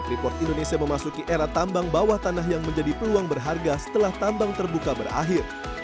freeport indonesia memasuki era tambang bawah tanah yang menjadi peluang berharga setelah tambang terbuka berakhir